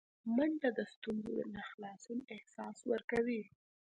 منډه د ستونزو نه خلاصون احساس ورکوي